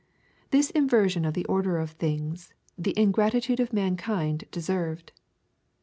This inversion of the order of things the ingratitude of mankind deserved.